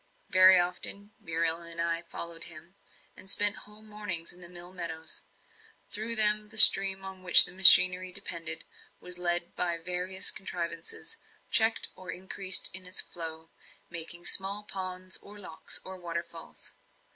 Very often Muriel and I followed him, and spent whole mornings in the mill meadows. Through them the stream on which the machinery depended was led by various contrivances, checked or increased in its flow, making small ponds, or locks, or waterfalls.